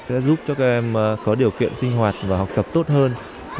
sẽ giúp cho các em có điều kiện sinh hoạt và học tập tốt hơn